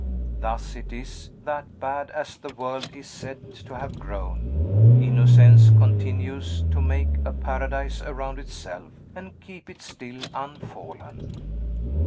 Thus it is, that, bad as the world is said to have grown, innocence continues to make a paradise around itself, and keep it still unfallen.